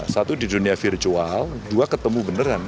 satu di dunia virtual dua ketemu beneran